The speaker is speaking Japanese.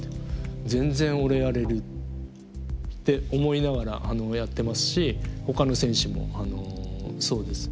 全然俺やれる」って思いながらやってますしほかの選手もそうです。